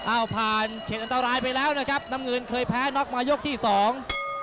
อ้าวผ่านเขตอันตรายไปแล้วนะครับน้ำเงินเคยแพ้น็อกมายกที่สอง